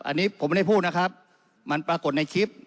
อันนี้ผมไม่ได้พูดนะครับมันปรากฏในคลิป